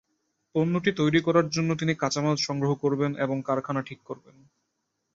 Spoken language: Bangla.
পণ্যটি তৈরি করার জন্য তিনি কাঁচামাল সংগ্রহ করবেন এবং কারখানা ঠিক করবেন।